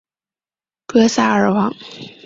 格萨尔王